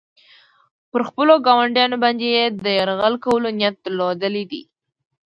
پر خپلو ګاونډیانو باندې یې د یرغل کولو نیت درلودلی دی.